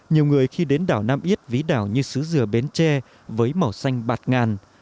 nhiều người khi đến đảo nam yết ví đảo như sứ dừa bến tre với màu xanh bạc ngàn